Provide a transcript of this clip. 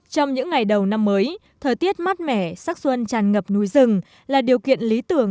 trong những ngày đầu năm mới thời tiết mát mẻ sắc xuân tràn ngập núi rừng là điều kiện lý tưởng